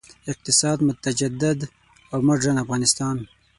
اقتصاد، متجدد او مډرن افغانستان.